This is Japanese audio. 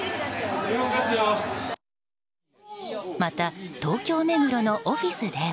また東京・目黒のオフィスでは。